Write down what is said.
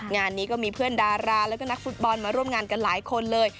งานนี้ก็มีเพื่อนดาราแล้วก็นักฟุตบอลมาร่วมงานกันหลายคนเลย